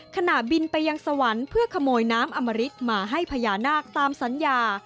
ขณะบินไปยังสวรรค์เพื่อขโมยน้ำอมริตมาให้พญานาคตามสัญญา